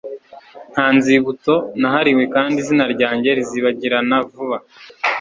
Nta nzibutso nahariwe kandi izina ryanjye rizibagirana vuba,